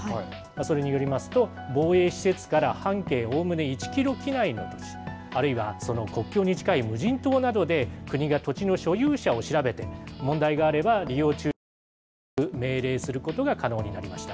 それによりますと、防衛施設から半径おおむね１キロ圏内の、あるいはその国境に近い無人島などで、国が土地の所有者を調べて、問題があれば、利用中止を勧告・命令することが可能になりました。